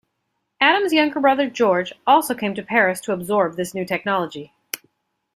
Adam's younger brother, George, also came to Paris to absorb this new technology.